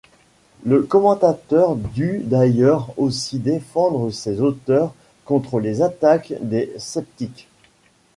Le commentateur dut d'ailleurs aussi défendre ses auteurs contre les attaques des sceptiques.